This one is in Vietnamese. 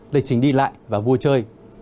lịch trình đi lại và vui chơi